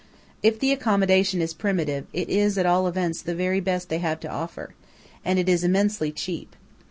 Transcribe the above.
If the accommodation is primitive, it is at all events the best they have to offer; and it is immensely cheap.